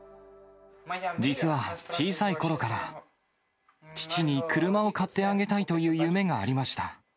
実は小さいころから父に車を買ってあげたいという夢がありました。